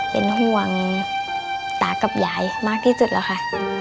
เป็นห่วงตากับยายมากที่สุดแล้วค่ะ